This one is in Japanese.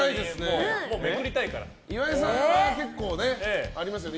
岩井さんは結構ありますよね